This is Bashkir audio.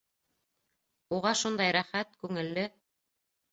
Уға шундай рәхәт, күңелле.